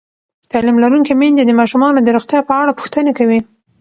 تعلیم لرونکې میندې د ماشومانو د روغتیا په اړه پوښتنې کوي.